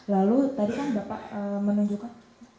lalu tadi kan bapak menunjukkan